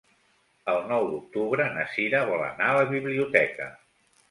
El nou d'octubre na Sira vol anar a la biblioteca.